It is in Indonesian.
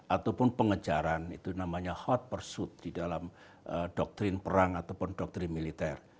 ataupun pengejaran itu namanya hot persuit di dalam doktrin perang ataupun doktrin militer